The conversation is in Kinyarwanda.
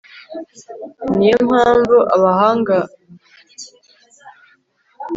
ni yo mpamvu abahange bakomeye